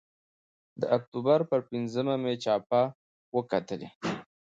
د اکتوبر پر پینځمه مې چاپه وکتلې.